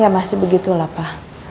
ya masih begitulah pa